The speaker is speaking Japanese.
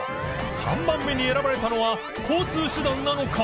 ３番目に選ばれたのは交通手段なのか？